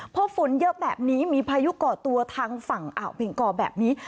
พอฝนเยอะแบบนี้มีพายุก่อตัวทางฝั่งอ่าวเบงกอแบบนี้